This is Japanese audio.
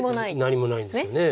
何もないんですよね。